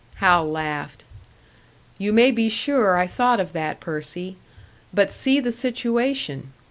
Hal laughed. "You may be sure I thought of that, Percy. But see the situation!